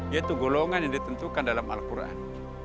yaitu golongan yang ditentukan dalam al quran